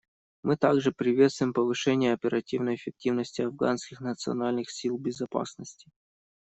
Мы также приветствуем повышение оперативной эффективности Афганских национальных сил безопасности.